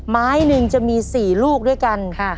ไม้หนึ่งจะมี๔ลูกด้วยกัน